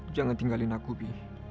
jangan tinggalin aku bi